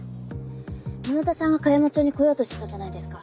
沼田さんが香山町に来ようとしてたじゃないですか。